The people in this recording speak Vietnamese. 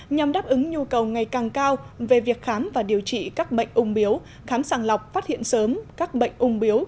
nhằm đáp ứng nhu cầu ngày càng cao về việc khám và điều trị các bệnh ung biếu khám sàng lọc phát hiện sớm các bệnh ung biếu